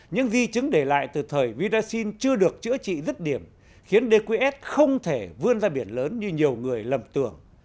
những di chứng để lại từ thời virazil chưa được chữa trị rứt điểm khiến dqs không thể vươn ra biển lớn như nhiều người lầm tưởng